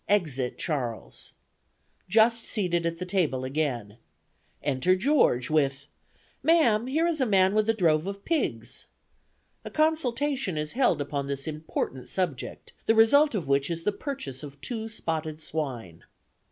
(Exit Charles.) "Just seated at the table again. "Enter George with, 'Ma'am, here is a man with a drove of pigs.' A consultation is held upon this important subject, the result of which is the purchase of two spotted swine.